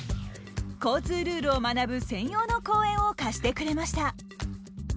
交通ルールを学ぶ専用の公園を貸してくれました。